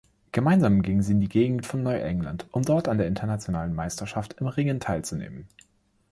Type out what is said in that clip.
Gemeinsam gingen sie in die Gegend von Neuengland, um dort an der internationalen Meisterschaft im Ringen teilzunehmen.